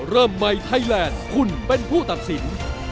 เริ่มใหม่ไทยแลนด์คุณเป็นผู้ตัดสิน